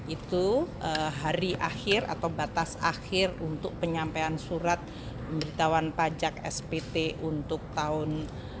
itu hari akhir atau batas akhir untuk penyampaian surat pemberitahuan pajak spt untuk tahun dua ribu dua puluh